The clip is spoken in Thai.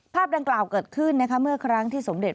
ภาพดังกล่าวเกิดขึ้นนะคะเมื่อครั้งที่สมเด็จ